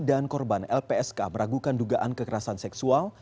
dan korban lpsk meragukan dugaan kekerasan seksual